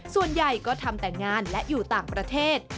ส่วนใหญ่ก็ทำแต่งงานและอยู่ต่างประเทศ